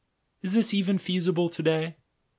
Is this even feasible to day? .